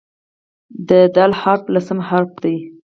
د "د" حرف لسم حرف دی.